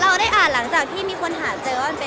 เราได้อ่านหลังจากที่มีคนหาเจอว่ามันเป็นอันไหน